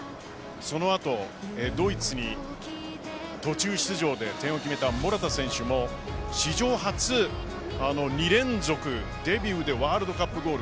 その後、ドイツに途中出場で点を決めたモラタ選手も史上初２連続デビューでワールドカップゴール。